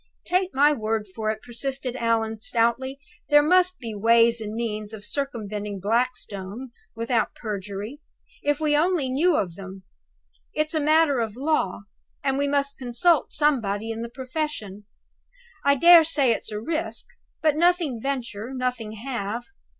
"Take my word for it," persisted Allan, stoutly, "there must be ways and means of circumventing Blackstone (without perjury), if we only knew of them. It's a matter of law, and we must consult somebody in the profession. I dare say it's a risk. But nothing venture, nothing have.